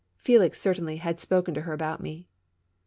Felix, certainly, had spoken to her about me.